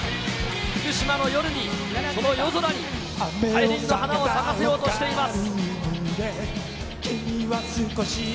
福島の夜に、この夜空に、大輪の花を咲かせようとしています。